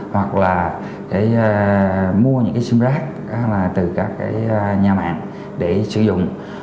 đối tượng là mua những cái simrack từ các nhà mạng để sử dụng